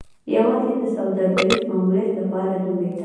یوازې د سوداګریز ماموریت لپاره جوړېده